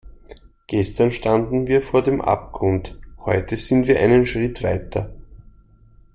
Gestern standen wir vor dem Abgrund, heute sind wir einen Schritt weiter.